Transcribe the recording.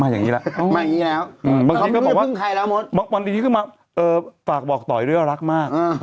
มาอย่างนี้แล้วบางทีก็บอกว่าฝากบอกต่อยเรื่องรักมาก